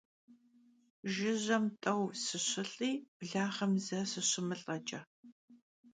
Jjıjem t'eu sışılh'i, blağem ze sışımılh'eç'e.